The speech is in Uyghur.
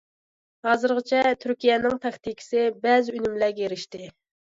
ھازىرغىچە، تۈركىيەنىڭ تاكتىكىسى بەزى ئۈنۈملەرگە ئېرىشتى.